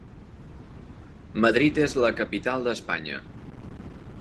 Madrid és la capital d'Espanya.